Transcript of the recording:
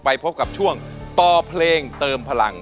พบกับช่วงต่อเพลงเติมพลัง